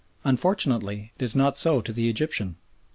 Unfortunately it is not so to the Egyptian.